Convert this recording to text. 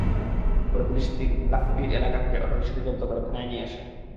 পরে পুলিশ তিনলাখপীর এলাকা থেকে অটোরিকশাটি জব্দ করে থানায় নিয়ে আসে।